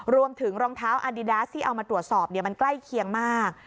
รองเท้าอดิดาสที่เอามาตรวจสอบมันใกล้เคียงมาก